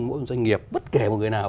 mỗi doanh nghiệp bất kể một người nào